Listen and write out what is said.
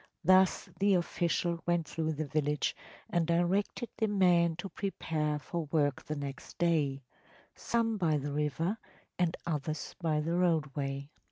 ‚ÄĚ Thus the official went through the village and directed the men to prepare for work the next day‚ÄĒsome by the river and others by the roadway.